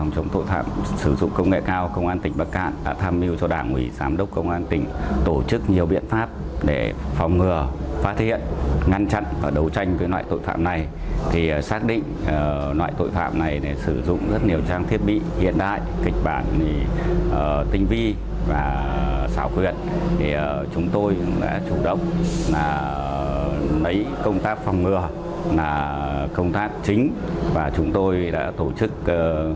cháu đã tạo ra một công tác phòng ngừa công tác chính và chúng tôi đã tổ chức